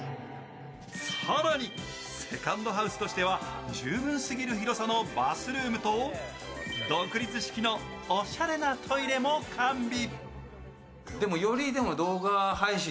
更に、セカンドハウスとしては十分すぎる広さのバスルームと、独立式のおしゃれなトイレも完備。